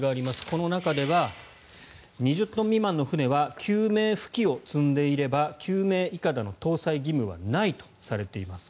この中では２０トン未満の船は救命浮器を積んでいれば救命いかだの搭載義務はないとされています。